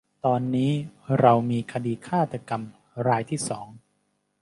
ตอนนี้เรามีคดีฆาตกรรมรายที่สอง